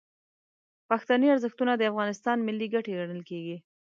پښتني ارزښتونه د افغانستان ملي ګټې ګڼل کیږي.